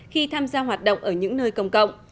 khi tham gia hoạt động ở những nơi công cộng